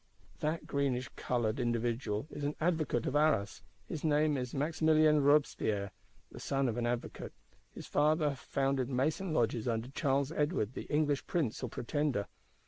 That greenish coloured (verdâtre) individual is an Advocate of Arras; his name is Maximilien Robespierre. The son of an Advocate; his father founded mason lodges under Charles Edward, the English Prince or Pretender.